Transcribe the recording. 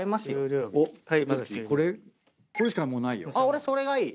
俺それがいい。